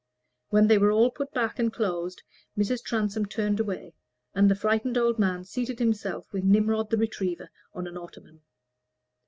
When they were all put back and closed, Mrs. Transome turned away, and the frightened old man seated himself with Nimrod the retriever on an ottoman.